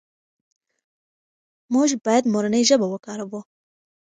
موږ باید مورنۍ ژبه وکاروو.